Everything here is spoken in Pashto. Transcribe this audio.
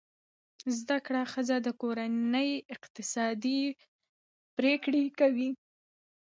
زده کړه ښځه د کورنۍ اقتصادي پریکړې کوي.